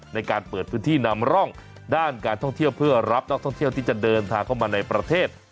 ในการเปิดพื้นที่นำร่องด้านการท่องเที่ยวเพื่อรับนักท่องเที่ยวที่จะเดินทางเข้ามาในประเทศ